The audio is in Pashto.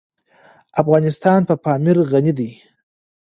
افغانستان په پامیر غني دی.